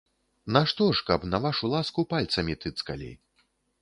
Нашто ж, каб на вашу ласку пальцамі тыцкалі.